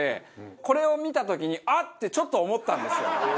これを見た時にあっ！ってちょっと思ったんですよ。